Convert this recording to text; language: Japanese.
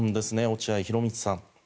落合博満さん。